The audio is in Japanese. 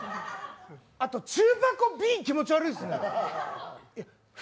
あと、中箱Ｂ気持ち悪いですね。